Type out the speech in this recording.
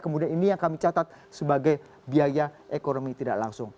kemudian ini yang kami catat sebagai biaya ekonomi tidak langsung